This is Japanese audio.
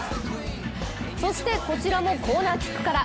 そして、こちらもコーナーキックから。